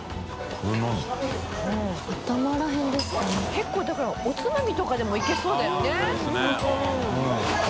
結構だからおつまみとかでもいけそうだよね。